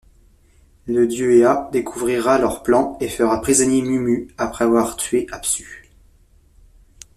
Le dieu Ea découvrira leur plan et fera prisonnier Mummu après avoir tué Apsu.